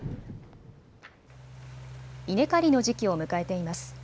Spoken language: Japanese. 稲刈りの時期を迎えています。